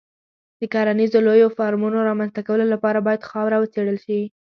د کرنیزو لویو فارمونو رامنځته کولو لپاره باید خاوره وڅېړل شي.